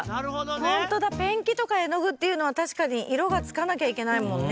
ホントだペンキとか絵の具っていうのはたしかにいろがつかなきゃいけないもんね。